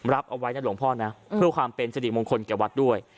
รับเอาไว้นะหลวงพ่อนะเพื่อความเป็นสิริมงคลแก่วัดด้วย